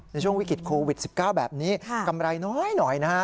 ในช่วงวิกฤตโควิด๑๙แบบนี้กำไรน้อยหน่อยนะฮะ